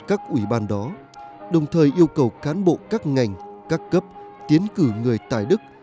các cán bộ các ngành các cấp tiến cử người tài đức